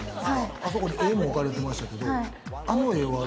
あそこに絵も置かれてましたけど、あの絵は？